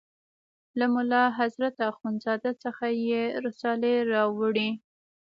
له ملا حضرت اخوند زاده څخه یې رسالې راوړې.